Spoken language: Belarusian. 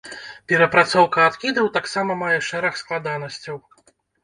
Перапрацоўка адкідаў таксама мае шэраг складанасцяў.